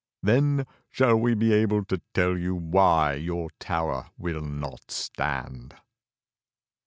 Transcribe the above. Then shall we be able to tell you why your tower will not stand."